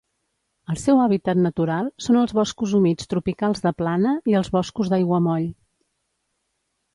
El seu hàbitat natural són els boscos humits tropicals de plana i els boscos d'aiguamoll.